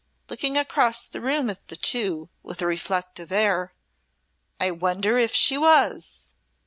looking across the room at the two, with a reflective air, "I wonder if she was!"